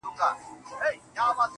زه د دردونو د پاچا په حافظه کي نه يم